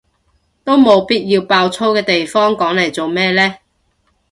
都冇必要爆粗嘅地方講嚟做咩呢？